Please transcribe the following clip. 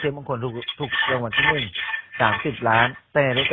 แต่พนักงานบอกให้ไปสอบถามให้ดีก่อน